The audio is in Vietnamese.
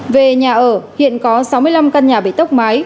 về nhà ở hiện có sáu mươi năm căn nhà bị tốc mái